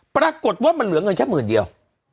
ปรากฏว่ามันเหลือเงินแค่หมื่นเดียว